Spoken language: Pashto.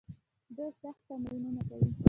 دوی سخت تمرینونه کوي.